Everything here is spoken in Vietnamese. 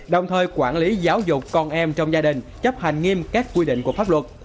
đồng thời quản lý giáo dục con em trong gia đình chấp hành nghiêm các quy định của pháp luật